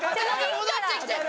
戻ってきてよ！